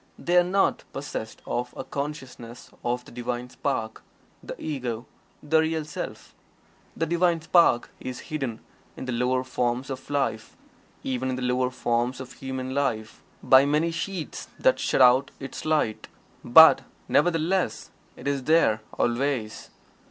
They are not possessed of a consciousness of the Divine Spark the Ego the Real Self. The Divine Spark is hidden in the lower forms of life even in the lower forms of human life by many sheaths that shut out its light. But, nevertheless, it is there, always.